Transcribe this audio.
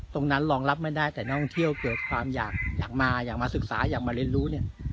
รองรับไม่ได้แต่นักท่องเที่ยวเกิดความอยากมาอยากมาศึกษาอยากมาเรียนรู้เนี่ย